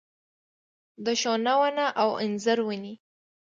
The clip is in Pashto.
د ښونه ونه او انځر ونې